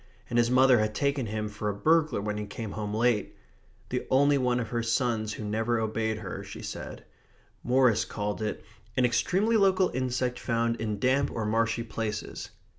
And his mother had taken him for a burglar when he came home late. The only one of her sons who never obeyed her, she said. Morris called it "an extremely local insect found in damp or marshy places."